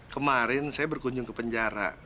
kemarin saya berkunjung ke penjara